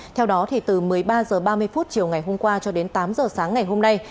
theo đó từ một mươi ba h ba mươi chiều ngày hôm qua cho đến tám h sáng ngày hôm nay